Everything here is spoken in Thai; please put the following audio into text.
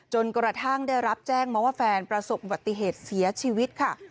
จนกระทั่งได้รับแจ้งมาว่าแฟนประสบอุบัติเหตุเสียชีวิตค่ะ